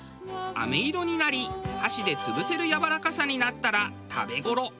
飴色になり箸で潰せるやわらかさになったら食べ頃。